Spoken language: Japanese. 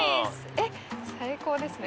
えっ最高ですね